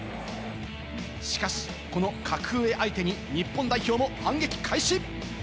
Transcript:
しかし、この格上相手に日本代表も反撃開始！